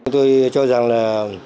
tôi cho rằng là